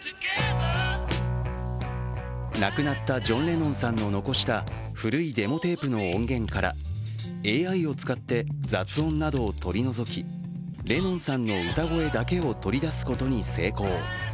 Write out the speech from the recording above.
亡くなったジョン・レノンさんの残した古いデモテープの音源からＡＩを使って雑音などを取り除き、レノンさんの歌声だけを取り出すことに成功。